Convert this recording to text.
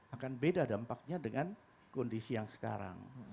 akan beda dampaknya dengan kondisi yang sekarang